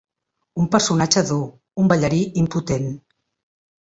Un personatge dur, un ballarí impotent.